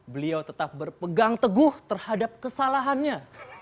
beliau tetap berpegang teguh terhadap kesalahannya